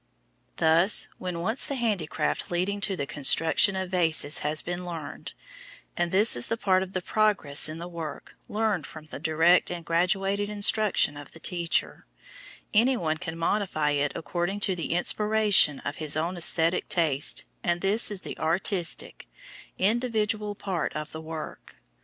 Thus, when once the handicraft leading to the construction of vases has been learned (and this is the part of the progress in the work, learned from the direct and graduated instruction of the teacher), anyone can modify it according to the inspiration of his own æsthetic taste and this is the artistic, individual part of the work.